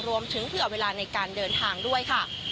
เผื่อเวลาในการเดินทางด้วยค่ะ